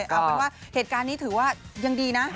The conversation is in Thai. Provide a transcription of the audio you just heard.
เอาคือต้องบอกว่าเหตุการณ์นี้ถือยังดีนะ